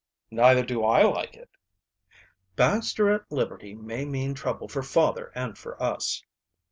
"Neither do I like it." "Baxter at liberty may mean trouble for father and for us."